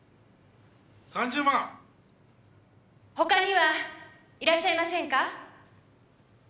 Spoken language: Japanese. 他にはいらっしゃいませんか？